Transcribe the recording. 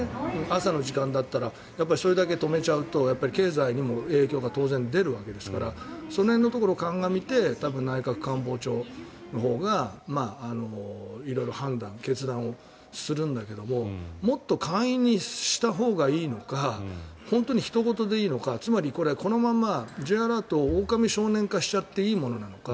朝の時間だったらそれだけ止めちゃうと経済にも影響が当然出るわけですからその辺のところを鑑みて内閣官房長のところが色々判断、決断をするんだけどももっと簡易にしたほうがいいのか本当にひと事でいいのかつまりこのままＪアラートをおおかみ少年化しちゃっていいものなのか。